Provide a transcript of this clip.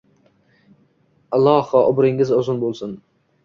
Iloho, umringiz uzun bo`lsin